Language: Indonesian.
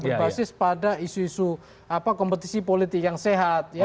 berbasis pada isu isu kompetisi politik yang sehat